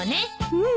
うん。